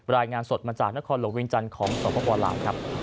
รายงานสดมาจากนครหลวงวิงจันทร์ของสวพบวาลาว